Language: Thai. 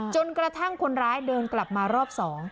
จนกระทั่งคนร้ายเดินกลับมารอบ๒